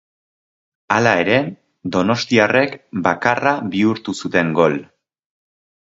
Hala ere, donostiarrek bakarra bihurtu zuten gol.